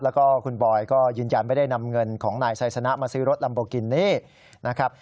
แล้วก็คุณบอยก็ยืนยันไม่ได้นำเงินของนายไซสนะมาซื้อรถลัมโบกินี่นะครับ